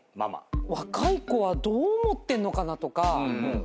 若い子はどう思ってんのかなとか。